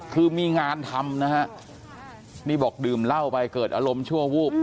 คือมีงานทำนะฮะนี่บอกดื่มเหล้าไปเกิดอารมณ์ชั่ววูบ